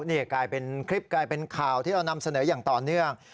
นี่กลายเป็นคลิปกลายเป็นข่าวที่เรานำเสนออย่างต่อเนื่อง